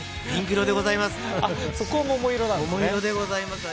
桃色でございます。